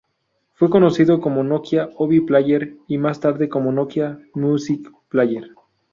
Fue conocido como Nokia Ovi Player, y más tarde como Nokia Music Player.